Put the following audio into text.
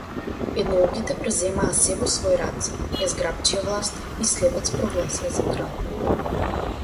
Еднооките преземаа сѐ во свои раце, ја зграпчија власта и слепец прогласија за крал.